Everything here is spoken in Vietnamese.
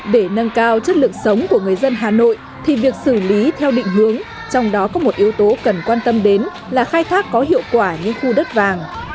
để nâng cao chất lượng sống của người dân hà nội thì việc xử lý theo định hướng trong đó có một yếu tố cần quan tâm đến là khai thác có hiệu quả những khu đất vàng